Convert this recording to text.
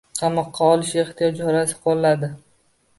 Qamoqqa olish ehtiyot chorasini qoʻlladi